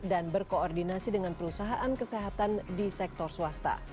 dan berkoordinasi dengan perusahaan kesehatan di sektor swasta